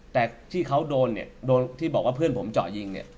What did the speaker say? แต่ที่เขาโดนเนี่ยโดนที่บอกว่าเพื่อนผมเจาะยิงเนี่ย